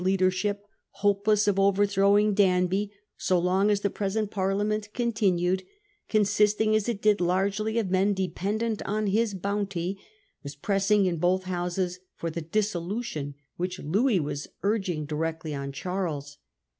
241 leadership, hopeless of overthrowing Danby so long as the present Parliament continued, consisting as it Unsuccess did largely sof men dependent on his bounty, for £ roposals was pressing in both Houses for the disso dissoiution. lution which Louis was urging directly on Charles.